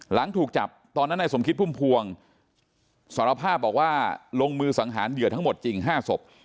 หลังถูกจับตอนนั้นในสมคิดพุ่มพวงสารภาพบอกว่าลงมือสังหารเหยื่อทั้งหมดจริง๕ศพ